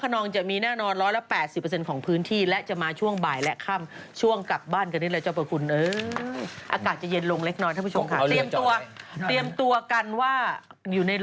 งี้ไม่ได้แล้วละเอาเรือจอดไว้